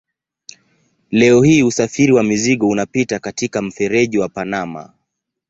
Leo hii usafiri wa mizigo unapita katika mfereji wa Panama.